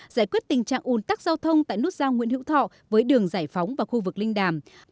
giải quyết tình trạng ủn tắc giao thông tại nút giao nguyễn hữu thọ với đường giải phóng và khu vực linh đàm